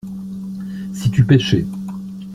Si tu pêchais.